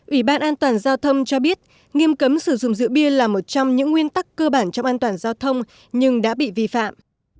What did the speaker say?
ủy ban an toàn giao thông cho biết nghiêm cấm sử dụng rượu bia là một trong những nguyên tắc cơ bản trong an toàn giao thông nhưng đã bị vi phạm